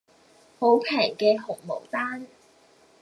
好平嘅紅毛丹